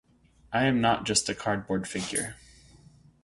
I am not just a cardboard figure.